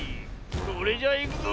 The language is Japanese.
それじゃいくぞ。